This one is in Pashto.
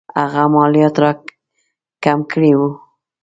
هغه مالیات را کم کړي وو.